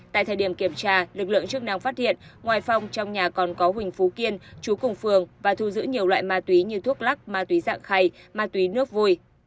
tại thời điểm kiểm tra lực lượng chức năng phát hiện ngoài phòng trong nhà còn có huỳnh phú kiên chú cùng phường và thu giữ nhiều loại ma túy như thuốc lắc ma túy dạng khay ma túy nước vui